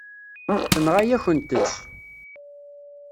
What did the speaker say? Tenɣa-yakent-tt.